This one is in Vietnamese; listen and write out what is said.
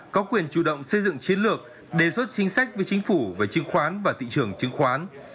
có quyền chủ động xây dựng chiến lược đề xuất chính sách với chính phủ về chứng khoán và thị trường chứng khoán